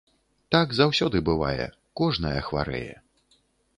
Так заўсёды бывае, кожная хварэе.